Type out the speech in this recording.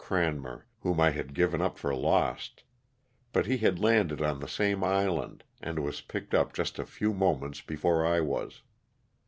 Cranmer, whom I had given up for lost, but he had landed on the same island and was picked up just a few moments before I was.